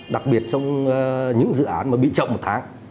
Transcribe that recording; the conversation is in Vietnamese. đặc biệt trong những dự án mà bị chậm một tháng